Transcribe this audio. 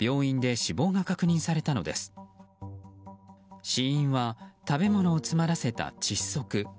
死因は食べ物を詰まらせた窒息。